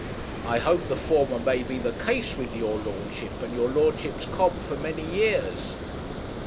I hope the former may be the case with your lordship and your lordship's cob for many years.'